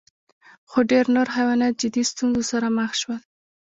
خو ډېر نور حیوانات جدي ستونزو سره مخ شول.